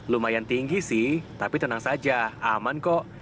lumayan tinggi sih tapi tenang saja aman kok